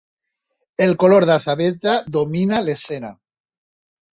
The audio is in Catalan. El color d'atzabeja domina l'escena.